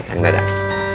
ini kang dadang